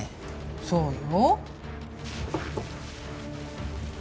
そうよ。